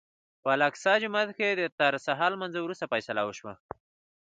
په الاقصی جومات کې تر سهار لمانځه وروسته فیصله وشوه.